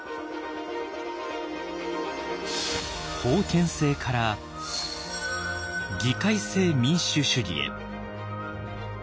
封建制から議会制民主主義へ。